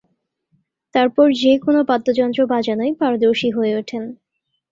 তারপর যে কোন বাদ্যযন্ত্র বাজানোয় পারদর্শী হয়ে ওঠেন।